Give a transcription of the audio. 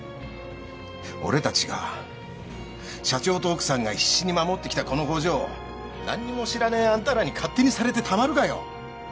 俺たちが社長と奥さんが必死に守ってきたこの工場を何にも知らねぇあんたらに勝手にされてたまるかよ。